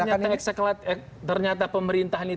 kalau memang ternyata pemerintah ini